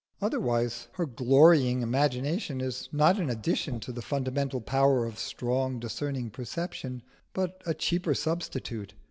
Otherwise her glorifying imagination is not an addition to the fundamental power of strong, discerning perception, but a cheaper substitute.